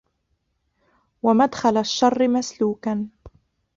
وَمَدْخَلَ الشَّرِّ مَسْلُوكًا